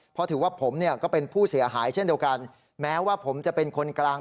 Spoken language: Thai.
เพราะถือว่าผมเนี่ยก็เป็นผู้เสียหายเช่นเดียวกันแม้ว่าผมจะเป็นคนกลาง